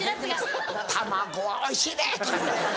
「卵はおいしいで」とか言うて。